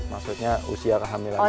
maksudnya usia kehamilannya berapa